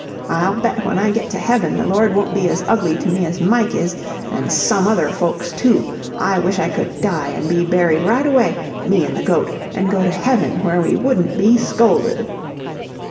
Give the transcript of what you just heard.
I'll bet when I get to heaven, the Lord won't be as ugly to me as Mike is, an' some other folks, too. I wish I could die and be buried right away, me an' the goat an' go to heaven, where we wouldn't be scolded."